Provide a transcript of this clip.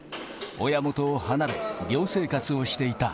親元を離れ、寮生活をしていた。